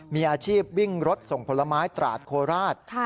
มีอาชีพวิ่งรถส่งผลไม้ตราดโคราช